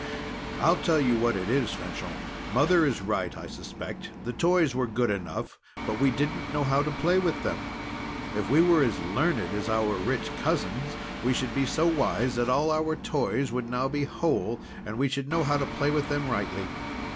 I'll tell you what it is, Fanchon, Mother is right, I suspect. The toys were good enough, but we didn't know how to play with them. If we were as learned as our rich cousins, we should be so wise that all our toys would now be whole; and we should know how to play with them rightly."